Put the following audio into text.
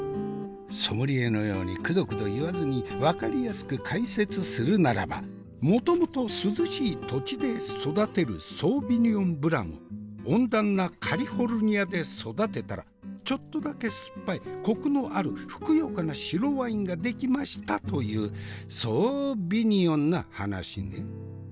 ソムリエのようにくどくど言わずに分かりやすく解説するならばもともと涼しい土地で育てるソーヴィニヨン・ブランを温暖なカリフォルニアで育てたらちょっとだけ酸っぱいコクのあるふくよかな白ワインが出来ましたというそうびによんな話ね。